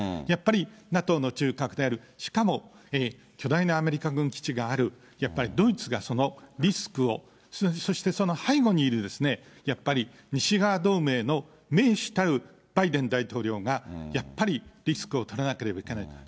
やっぱりＮＡＴＯの中核であるしかも巨大なアメリカ軍基地がある、やっぱりドイツがそのリスクを、そしてその背後にいるやっぱり、西側同盟の盟主たるバイデン大統領がやっぱりリスクを取らなければいけない。